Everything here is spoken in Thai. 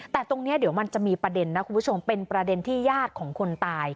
แต่ตรงนี้เดี๋ยวมันจะมีประเด็นนะคุณผู้ชมเป็นประเด็นที่ญาติของคนตาย